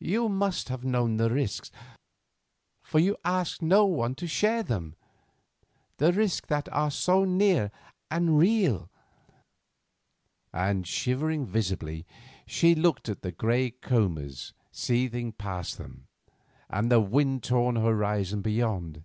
You must have known the risks, for you asked no one to share them—the risks that are so near and real;" and, shivering visibly, she looked at the grey combers seething past them, and the wind torn horizon beyond.